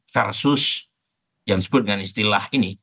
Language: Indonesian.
versus yang disebut dengan istilah ini